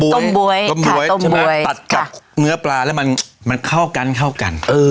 ต้มบวยต้มบวยตัดกับเนื้อปลาแล้วมันเข้ากัน